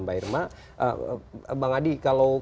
mbak ngadi kalau kemudian apa yang disasar anda